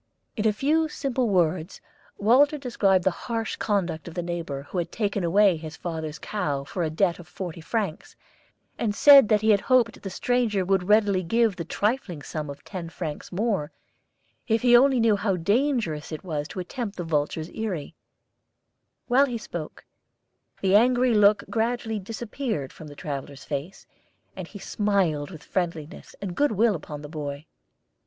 In a few simple words Walter described the harsh conduct of the neighbor who had taken away his father's cow for a debt of forty francs, and said that he had hoped the stranger would readily give the trifling sum of ten francs more if he only knew how dangerous it was to attempt the vulture's eyrie. While he spoke, the angry look gradually disappeared from the traveller's face, and he smiled with friendliness and goodwill upon the boy.